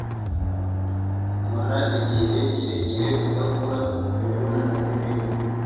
kumara igihe kirekire udakora imibonano n’ibindi